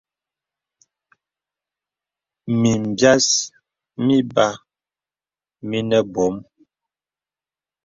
Mìm bìàs mìbàà mìnə bɔ̄m.